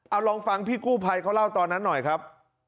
เอาลองฟังพี่กู้ภัยเขาเล่าตอนนั้นหน่อยครับ